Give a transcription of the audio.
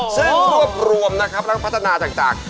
ซึ่งรวบรวมนะครับและพัฒนาจังจักร